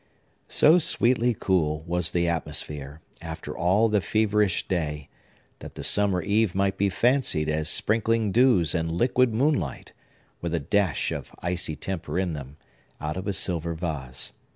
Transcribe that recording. So sweetly cool was the atmosphere, after all the feverish day, that the summer eve might be fancied as sprinkling dews and liquid moonlight, with a dash of icy temper in them, out of a silver vase.